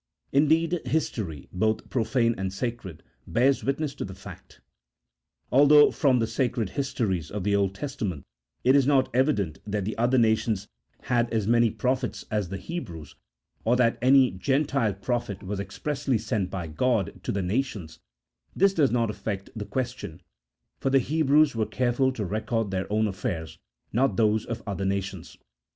Indeed, his tory, both profane and sacred, bears witness to the fact. Although, from the sacred histories of the Old Testament, it is not evident that the other nations had as many pro E 50 A THEOLOGICO POLITICAL TREATISE. [CHAP. III. phets as the Hebrews, or that any Gentile prophet was ex pressly sent by God to the nations, this does not affect the question, for the Hebrews were careful to record their own affairs, not those of other nations.